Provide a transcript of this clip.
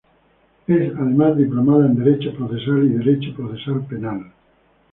Es, además, diplomada en Derecho Procesal y Derecho Procesal Penal.